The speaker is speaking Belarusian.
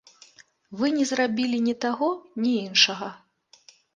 Вы не зрабілі ні таго, ні іншага.